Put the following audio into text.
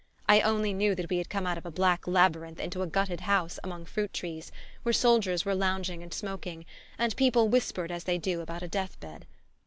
I only knew that we had come out of a black labyrinth into a gutted house among fruit trees, where soldiers were lounging and smoking, and people whispered as they do about a death bed.